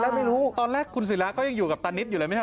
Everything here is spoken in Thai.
แล้วไม่รู้ตอนแรกคุณศิราก็ยังอยู่กับตานิดอยู่เลยไหมฮ